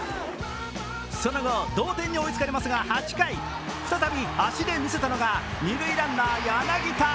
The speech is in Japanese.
その後、同点に追いつかれますが８回再び足で見せたのが二塁ランナー・柳田。